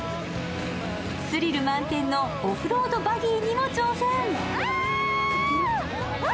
スリル満点のオフロードバギーにも挑戦。